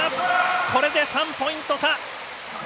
これで３ポイント差。